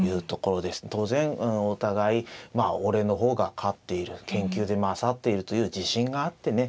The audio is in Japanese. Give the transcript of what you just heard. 当然お互いまあ俺の方が勝っている研究で勝っているという自信があってね